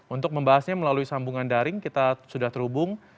untuk membahasnya melalui sambungan daring kita sudah terhubung